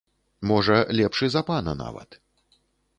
Можа, лепшы за пана нават.